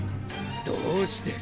どうして。